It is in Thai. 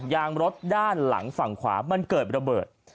ยางรถด้านหลังฝั่งขวามันเกิดระเบิด